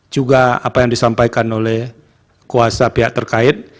juga apa yang disampaikan oleh kuasa pihak terkait